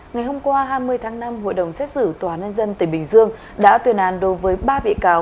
ngày hôm qua hai mươi tháng năm hội đồng xét xử tòa nhân dân tỉnh bình dương đã tuyên án đối với ba bị cáo